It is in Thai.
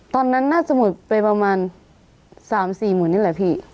ตอนนั้นน่าจะหมดไปประมาณ๓๔หมื่นนี่แหละพี่